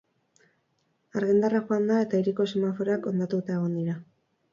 Argindarra joan da eta hiriko semaforoak hondatuta egon dira.